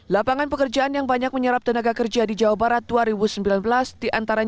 lapangan pekerjaan yang banyak menyerap tenaga kerja di jawa barat dua ribu sembilan belas diantaranya